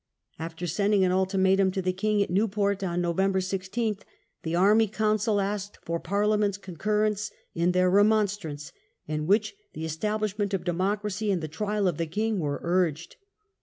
After sending an ultimatum to the king at Newport on Nov. i6, the Army Council asked for Parliament's concurrence in their "Remonstrance", in which the establishment of democracy and the trial of the king were urged.